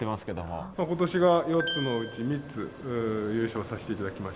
今年が４つのうち３つ優勝させて頂きまして。